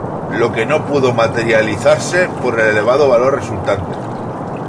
Lo que no pudo materializarse por el elevado valor resultante.